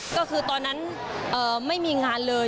ก็คือตอนนั้นไม่มีงานเลย